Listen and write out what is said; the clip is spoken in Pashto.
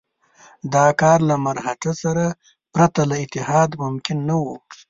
دا کار له مرهټه سره پرته له اتحاد ممکن نه وو.